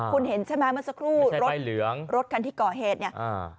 คุณเห็นใช่ไหมเมื่อสักครู่ไม่ใช่ป้ายเหลืองรถคันที่ก่อเหตุเนี่ย